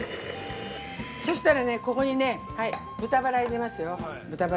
そしたらね、ここにね豚バラ入れますよ。